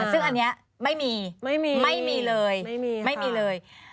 ซึ่งอันเนี้ยไม่มีไม่มีไม่มีเลยไม่มีไม่มีเลย